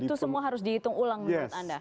itu semua harus dihitung ulang menurut anda